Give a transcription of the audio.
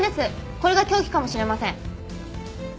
これが凶器かもしれません。